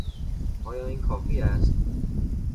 آیا این کافی است؟